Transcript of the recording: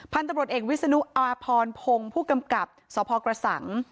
พันธุบรสเอกวิศนุอพรพงษ์ผู้กำกรับสภอกระสั่ง